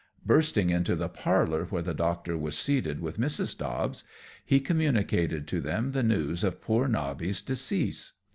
Bursting into the parlour, where the Doctor was seated with Mrs. Dobbs, he communicated to them the news of poor Nobby's decease.